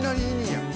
やん。